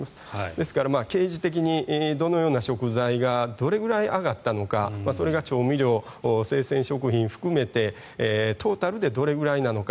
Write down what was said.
ですから、継時的にどのような食材がどのくらい上がったのかそれが調味料、生鮮食品含めてトータルでどれくらいなのか。